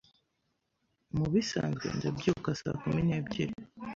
Mubisanzwe ndabyuka saa kumi n'ebyiri.